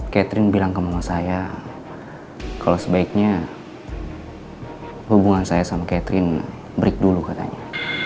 catherine bilang ke mama saya kalau sebaiknya hubungan saya sama catherine break dulu katanya